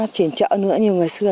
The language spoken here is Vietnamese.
trển chợ nữa như ngày xưa